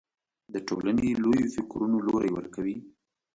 د ټولنې لویو فکرونو لوری ورکوي